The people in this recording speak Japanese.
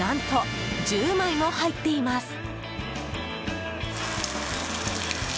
何と、１０枚も入っています。